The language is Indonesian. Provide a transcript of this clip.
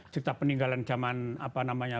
cerita peninggalan zaman apa namanya